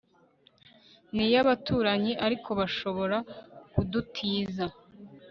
Ni iyabaturanyi ariko bashobora kudutiza